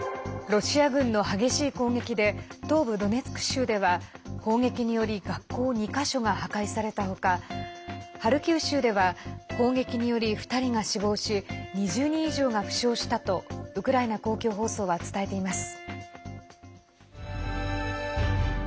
ロシア軍の激しい攻撃で東部ドネツク州では砲撃により学校２か所が破壊されたほかハルキウ州では砲撃により２人が死亡し２０人以上が負傷したとウクライナ公共放送は伝えています。